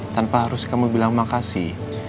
tanpa harus kamu bilang makasih